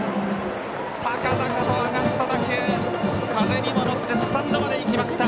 高々と上がった打球が風にも乗ってスタンドまで行きました。